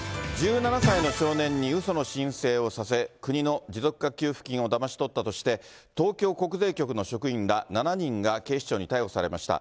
１７歳の少年にうその申請をさせ、国の持続化給付金をだまし取ったとして、東京国税局の職員ら７人が、警視庁に逮捕されました。